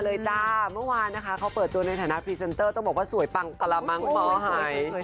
ตอนนี้มันเปิดตัวในฐานะพรีเซนเตอร์ต้องบอกว่าสวยปังกระมังเมาหาย